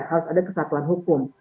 harus ada kesatuan hukum